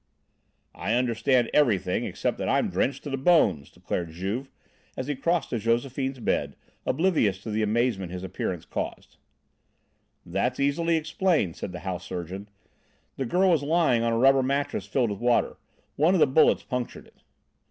"I understand everything except that I'm drenched to the bones," declared Juve, as he crossed to Josephine's bed, oblivious to the amazement his appearance caused. "That's easily explained," said the house surgeon. "The girl was lying on a rubber mattress filled with water. One of the bullets punctured it."